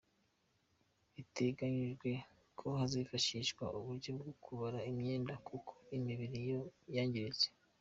Biteganyijwe ko hazifashishwa uburyo bwo kubara imyenda kuko imibiri yo yangiritse.